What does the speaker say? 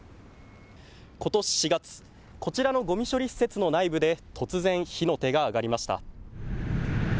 ことし４月、こちらのごみ処理施設の内部で突然、火の手が上がりました。